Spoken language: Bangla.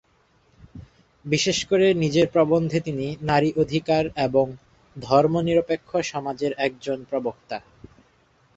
বিশেষ করে নিজের প্রবন্ধে তিনি নারী অধিকার এবং ধর্মনিরপেক্ষ সমাজের একজন প্রবক্তা।